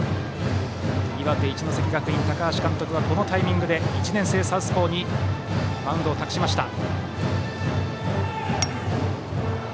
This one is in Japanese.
岩手・一関学院、高橋監督はこのタイミングで１年生サウスポーにマウンドを託しました。